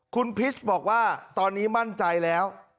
คุณพิษบอกว่าตอนนี้มั่นใจแล้ว